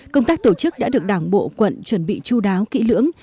công tác tổ chức đã được đảng bộ quận chuẩn bị chú đáo kỹ lưỡng